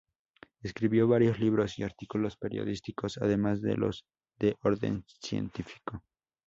Escribió varios libros y artículos periodísticos además de los de orden científico.